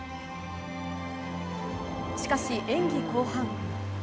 しかし演技後半。